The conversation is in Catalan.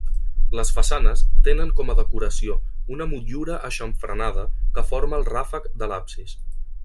Les façanes tenen com a decoració una motllura aixamfranada que forma el ràfec de l'absis.